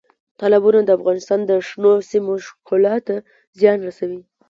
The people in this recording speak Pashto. تالابونه د افغانستان د شنو سیمو ښکلا ته زیان رسوي.